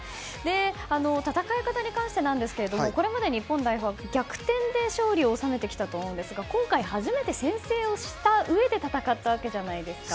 戦い方に関してなんですけれどもこれまで日本代表は逆転で勝利を収めてきたと思うんですが今回初めて先制をしたうえで戦ったわけじゃないですか。